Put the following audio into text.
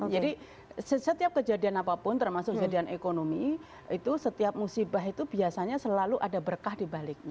jadi setiap kejadian apapun termasuk kejadian ekonomi itu setiap musibah itu biasanya selalu ada berkah dibaliknya